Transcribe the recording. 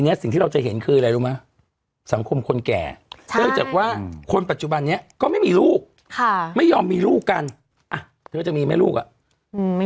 แอ้งที่เรา๒คนไม่มีโอกาสมีลูกอยู่แล้วถูกปะอื้อหนูป่ะ